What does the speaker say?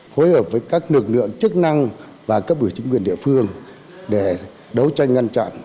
chúng tôi tập trung vào tham mưu cho các ủy chính quyền địa phương để thực hiện chỉ thị một của thủ tướng nhân vụ